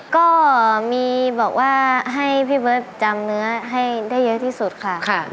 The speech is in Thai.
ก็มีบอกว่าให้พี่เบิร์ตจำเนื้อให้ได้เยอะที่สุดค่ะ